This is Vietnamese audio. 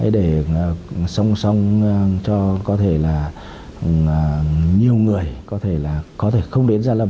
để song song cho có thể là nhiều người có thể là có thể không đến ra lầm